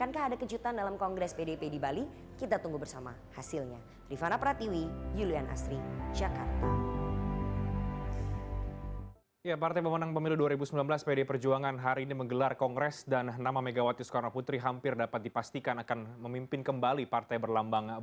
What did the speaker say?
selamat malam mas burhan